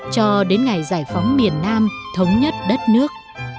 cho đến ngày giải phóng miền nam thống nhất đất nước